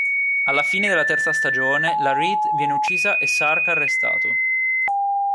Alla fine della terza stagione, la Reed viene uccisa e Sark arrestato.